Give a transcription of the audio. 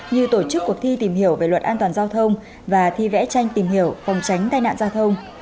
như tổ chức cuộc thi tìm hiểu về luật an toàn giao thông và thi vẽ tranh tìm hiểu phòng tránh tai nạn giao thông